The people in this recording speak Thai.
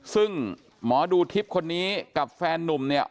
ซึ่งหมอดูทิพย์คนนี้กับแฟนนุ่มเนี่ย